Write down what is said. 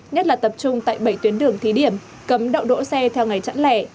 nhất là tập trung tại bảy tuyến đường thí điểm cấm đậu đỗ xe theo ngày chẵn lẻ